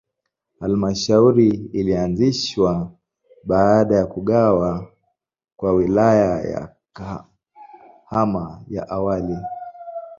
Halmashauri ilianzishwa baada ya kugawa kwa Wilaya ya Kahama ya awali.